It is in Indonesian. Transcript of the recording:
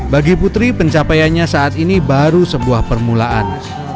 bagi putri pencapaiannya saat ini baru sebuah permulaan